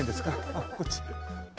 ああこっち。